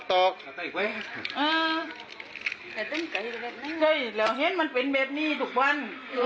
ให้เต้นใครนึงเฮ้ยเราเห็นมันเป็นแบบนี้ทุกวัน